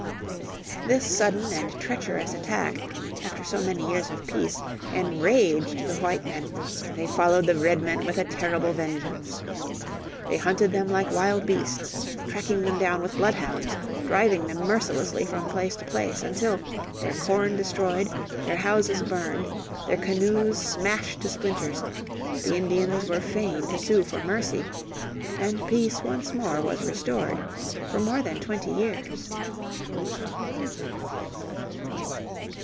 This sudden and treacherous attack, after so many years of peace, enraged the white men, and they followed the Redmen with a terrible vengeance. They hunted them like wild beasts, tracking them down with bloodhounds, driving them mercilessly from place to place, until, their corn destroyed, their houses burned, their canoes smashed to splinters, the Indians were fain to sue for mercy, and peace once more was restored for more than twenty years.